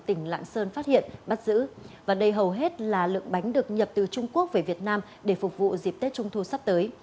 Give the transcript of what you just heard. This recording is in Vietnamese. tỉnh lạng sơn phát hiện bắt giữ và đây hầu hết là lượng bánh được nhập từ trung quốc về việt nam để phục vụ dịp tết trung thu sắp tới